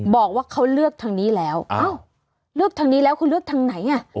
บอกว่าเขาเลือกทางนี้แล้วเลือกทางนี้แล้วคุณเลือกทางไหนอ่ะ